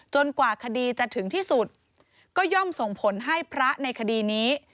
กว่าคดีจะถึงที่สุดก็ย่อมส่งผลให้พระในคดีนี้